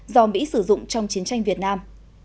do mỹ sử dụng trong chiến tranh việt nam